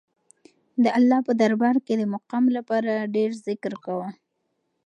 د الله په دربار کې د مقام لپاره ډېر ذکر کوه.